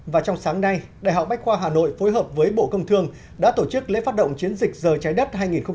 và trong sáng nay đại học bách khoa hà nội phối hợp với bộ công thương đã tổ chức lễ phát động chiến dịch giờ trái đất hai nghìn hai mươi